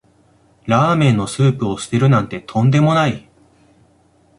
ラーメンのスープを捨てるなんてとんでもない